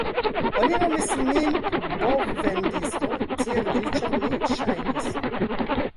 Oni nomis min la bovvendisto, tiel riĉa mi ŝajnis!